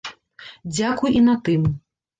Дзякуй і на тым.